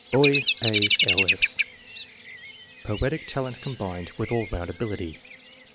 Boy: A. L. 8. Poetic talent combined with all round ability.